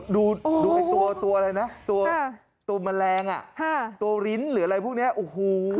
ดูตัวอะไรนะตัวแมลงตัวลิ้นหรืออะไรพวกนี้โอ้โห